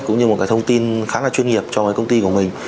cũng như một cái thông tin khá là chuyên nghiệp cho cái công ty của mình